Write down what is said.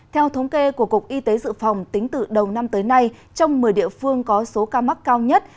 theo thống kê của cục y tế dự phòng tính từ đầu năm tới nay trong một mươi địa phương có số ca mắc cao nhất